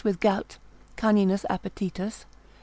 with gout: caninus appetitus.